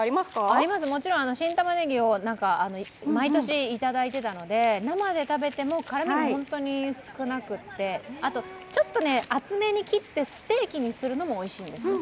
あります、もちろん新玉ねぎを毎年いただいてたので、生で食べても辛みが本当に少なくて、ちょっと厚めに切ってステーキにするのもおいしいんです。